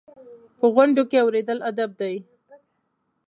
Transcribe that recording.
په غونډو کې اورېدل ادب دی.